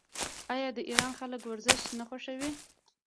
آیا د ایران خلک ورزش نه خوښوي؟